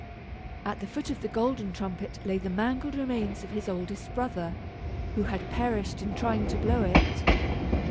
At the foot of the golden trumpet lay the mangled remains of his oldest brother, who had perished in trying to blow it.